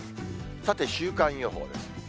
さて週間予報です。